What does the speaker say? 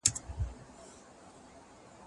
زه اوږده وخت مکتب ته ځم،